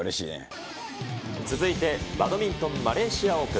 続いてバドミントンマレーシアオープン。